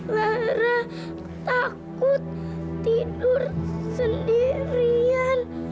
lara takut tidur sendirian